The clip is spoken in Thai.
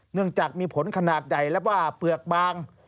เนื่องจากมีผลขนาดใหญ่และบ้าเปลือกบาง